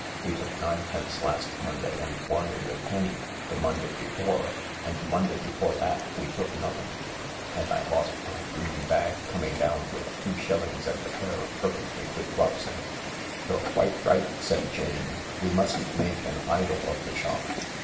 We took ninepence last Monday and one and a penny the Monday before, and the Monday before that we took nothing, and I lost my green bag coming down with two shillings and a pair of perfectly good gloves in it." " You're quite right," said Jane, "we mustn't make an idol of the shop.